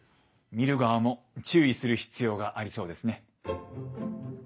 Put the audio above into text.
見る側も注意する必要がありそうですね。